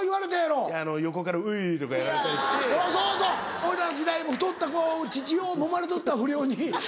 俺らの時代も太った子乳ようもまれとった不良に。